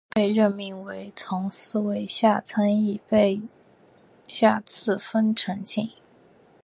同年被任命为从四位下参议并被下赐丰臣姓。